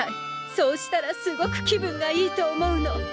そうしたらすごく気分がいいと思うの。